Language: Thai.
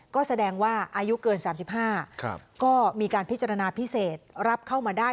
ก็แสดงว่าอายุเกิน๓๕ก็มีการพิจารณาพิเศษรับเข้ามาได้